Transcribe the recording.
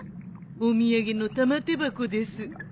お土産の玉手箱です。